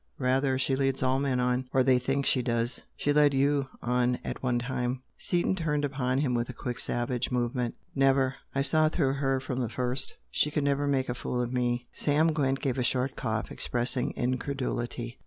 "Rather! She leads all men 'on' or they think she does. She led YOU on at one time!" Seaton turned upon him with a quick, savage movement. "Never! I saw through her from the first! She could never make a fool of ME!" Sam Gwent gave a short cough, expressing incredulity.